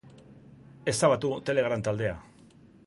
Ezabatu Telegram taldea.